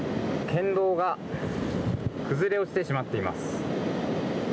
県道が崩れ落ちてしまっています。